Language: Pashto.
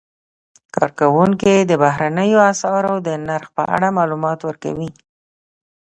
کارکوونکي د بهرنیو اسعارو د نرخ په اړه معلومات ورکوي.